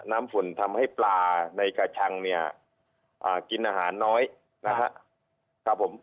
น้ำฝุ่นเพื่อทำให้ปลาในกระชังกินอาหารน้อยนะครับ